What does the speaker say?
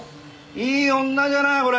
いい女じゃないこれ！